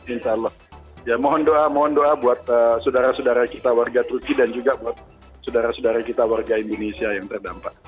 insya allah ya mohon doa mohon doa buat saudara saudara kita warga turki dan juga buat saudara saudara kita warga indonesia yang terdampak